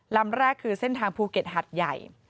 ลำแรกคือเส้นทางภูเก็ตหัดใหญ่